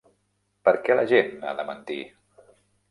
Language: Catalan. Per què la gent ha de mentir?